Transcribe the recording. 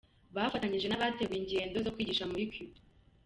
bafatanyije nabateguye ingendo zo kwigisha muri Cuba.